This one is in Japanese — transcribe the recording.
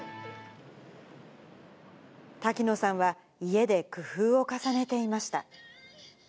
滝野さんは家で工夫を重ねていました。